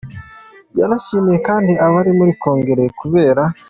Yanashimiye kandi abari muri Kongere kubera